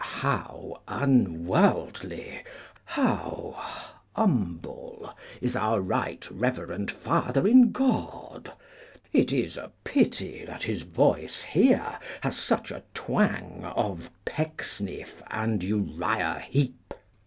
How unworldly, how humble, is our right reverend father in God; it is a pity that his voice here has such a twang of Pecksniff and Uriah Heap.